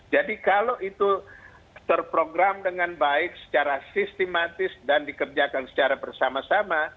jadi kalau itu terprogram dengan baik secara sistematis dan dikerjakan secara bersama sama